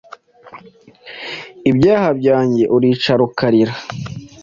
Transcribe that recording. ibyaha byanjye uricara ukarira,